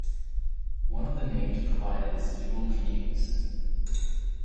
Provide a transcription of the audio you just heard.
One of the names provided is "Yule-beings".